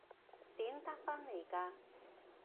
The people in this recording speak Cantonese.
點得返嚟㗎？